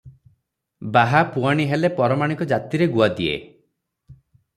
ବାହା, ପୁଆଣି ହେଲେ ପରମାଣିକ ଜାତିରେ ଗୁଆ ଦିଏ ।